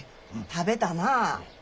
食べたなあ。